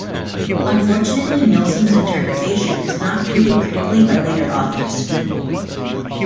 Unfortunately Nilsson's interpretation is not treated critically by later authors.